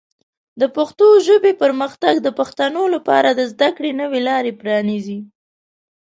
د پښتو ژبې پرمختګ د پښتنو لپاره د زده کړې نوې لارې پرانیزي.